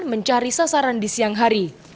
mencari sasaran di siang hari